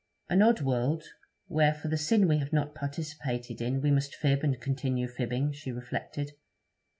An odd world, where for the sin we have not participated in we must fib and continue fibbing, she reflected.